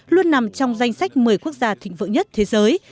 luôn nằm trong danh sách một mươi quốc gia thịnh vượng nhất thế giới